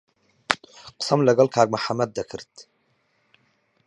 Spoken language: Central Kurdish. قسەم لەگەڵ کاک محەممەد دەکرد.